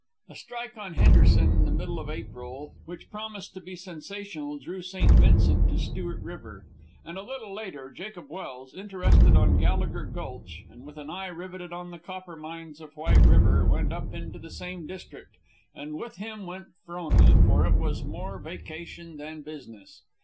A strike on Henderson the middle of April, which promised to be sensational, drew St. Vincent to Stewart River. And a little later, Jacob Welse, interested on Gallagher Gulch and with an eye riveted on the copper mines of White River, went up into the same district, and with him went Frona, for it was more vacation than business.